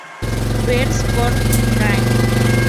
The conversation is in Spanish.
Ver: Password cracking.